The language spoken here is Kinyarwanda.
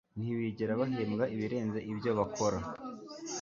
ntibigera bahembwa ibirenze ibyo bakora